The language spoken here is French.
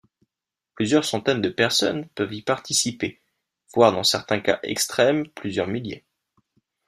Plusieurs centaines de personnes peuvent y participer, voire dans certains cas extrêmes plusieurs milliers.